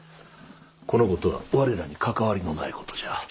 この事は我らに関わりのない事じゃ。